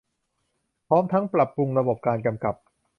พร้อมทั้งปรับปรุงระบบการกำกับ